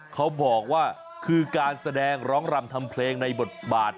เขาบอกว่าคือการแสดงร้องรำทำเพลงในบทบาท